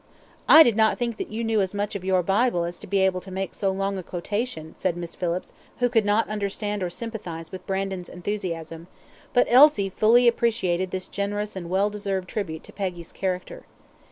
"I did not think that you knew as much of your Bible as to be able to make so long a quotation," said Miss Phillips, who could not understand or sympathize with Brandon's enthusiasm; but Elsie fully appreciated this generous and well deserved tribute to Peggy's character.